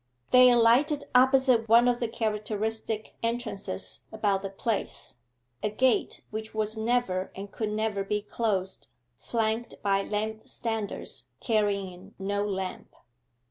They alighted opposite one of the characteristic entrances about the place a gate which was never, and could never be, closed, flanked by lamp standards carrying no lamp.